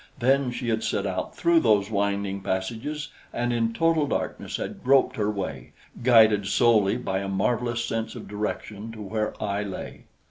Then she had set out through those winding passages and in total darkness had groped her way, guided solely by a marvelous sense of direction, to where I lay.